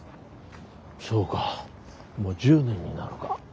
そうかもう１０年になるか。